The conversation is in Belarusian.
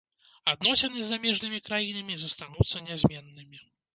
Адносіны з замежнымі краінамі застануцца нязменнымі.